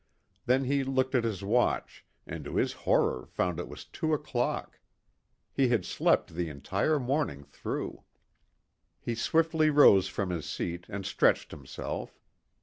Then he looked at his watch, and to his horror found it was two o'clock. He had slept the entire morning through. He swiftly rose from his seat and stretched himself.